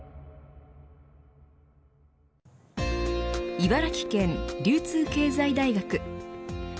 茨城県、流通経済大学。